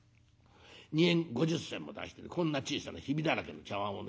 ２円５０銭も出してこんな小さなヒビだらけの茶わんをね